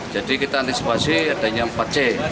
jadi kita antisipasi adanya empat c